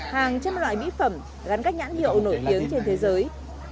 hàng trăm loại mỹ phẩm gắn các nhãn hiệu nổi tiếng trên thế giới